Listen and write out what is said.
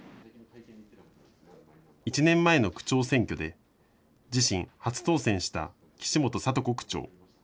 １年前の区長選挙で自身、初当選した岸本聡子区長。